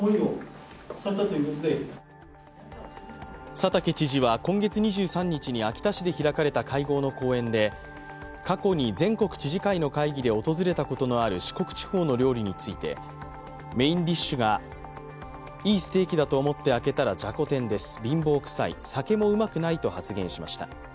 佐竹知事は今月２３日に秋田市で開かれた会合の講演で、過去に全国知事会の会議で訪れたことのある四国地方の料理についてメインディッシュがいいステーキだと思って開けたらじゃこ天です、貧乏くさい、酒もうまくないと発言しました。